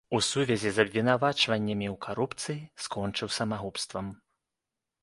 У сувязі з абвінавачваннямі ў карупцыі скончыў самагубствам.